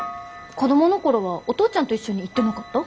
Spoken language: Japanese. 子供の頃はお父ちゃんと一緒に行ってなかった？